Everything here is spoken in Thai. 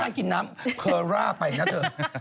กินน้ำเพอร่าไปนะเธอ